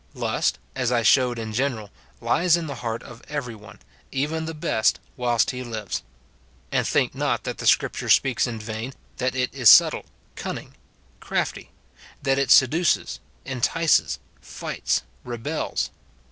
Lust, as I showed in general, lies in the heart of every one, even the best, whilst he lives ; and think not that the Scrip ture speaks in vain, that it is subtle, cunning, crafty, — that it seduces, entices, fights, rebels.